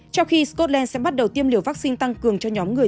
trong khi scotland sẽ bắt đầu tiêm liều vaccine tăng cường cho nhóm người